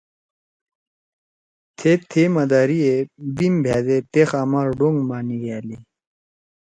تھید تھئے مداری ئے بیِم بھأدے تے خامار ڈونگ ما نیِگھألی۔